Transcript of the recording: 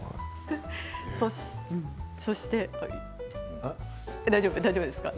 そして大丈夫ですか？